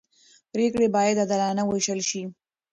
پرېکړې باید عادلانه وېشل شي